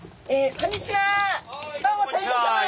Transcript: こんにちは。